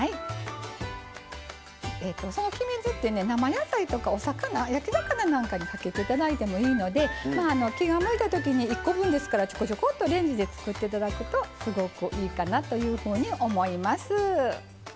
その黄身酢ってね生野菜とかお魚焼き魚なんかにかけて頂いてもいいので気が向いた時に１個分ですからちょこちょこっとレンジで作って頂くとすごくいいかなというふうに思います。